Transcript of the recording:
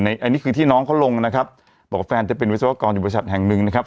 อันนี้คือที่น้องเขาลงนะครับบอกว่าแฟนจะเป็นวิศวกรอยู่บริษัทแห่งหนึ่งนะครับ